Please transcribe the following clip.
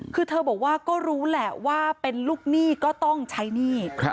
คือเธอบอกว่าก็รู้แหละว่าเป็นลูกหนี้ก็ต้องใช้หนี้